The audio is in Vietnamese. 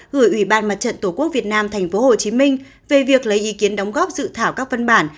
gửi ủy ban mặt trận tổ quốc việt nam tp hcm về việc lấy ý kiến đóng góp dự thảo các văn bản